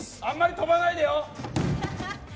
あんまり飛ばないでよ。